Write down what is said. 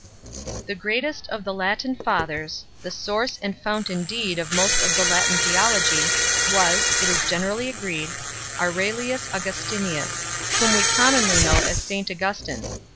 The greatest of the Latin Fathers, the source and I fount indeed of most of the Latin theology, was, it is generally agreed, Aurelius Augustinus, whom we com monly know as St "Augustin 1